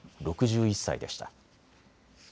６１歳でした。